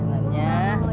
makasih ya bu